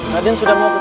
raden sudah mau ke pajak